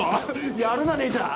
やるな姉ちゃん。